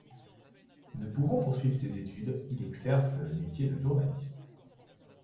Ne pouvant poursuivre ses études, il exerce le métier de journaliste.